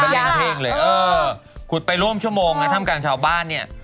ยักษ์เออคุดไปร่วมชั่วโมงทำการชาวบ้านเนี่ย